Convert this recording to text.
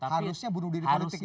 harusnya bunuh diri politik ini